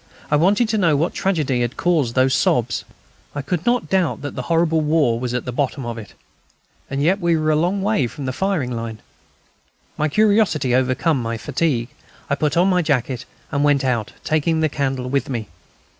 I wanted to know what tragedy had caused those sobs. I could not doubt that the horrible war was at the bottom of it. And yet we were a long way from the firing line. My curiosity overcame my fatigue. I put on my jacket and went out, taking the candle with me.